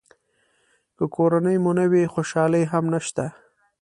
که کورنۍ مو نه وي خوشالي هم نشته.